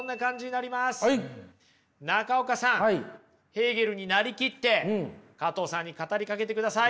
ヘーゲルに成りきって加藤さんに語りかけてください。